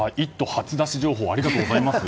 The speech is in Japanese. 初出し情報ありがとうございます。